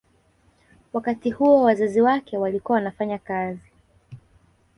Wakati huo wazazi wake walikuwa wanafanya kazi